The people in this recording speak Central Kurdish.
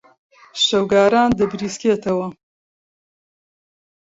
شەوگاران دەبریسکێتەوە.